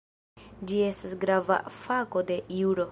Ĝi estas grava fako de juro.